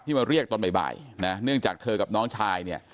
มาเรียกตอนบ่ายนะเนื่องจากเธอกับน้องชายเนี่ย